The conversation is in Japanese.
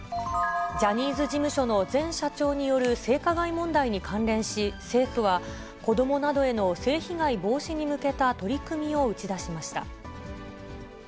ジャニーズ事務所の前社長による性加害問題に関連し、政府は、子どもなどへの性被害防止に向けた取り組みを打ち出しました。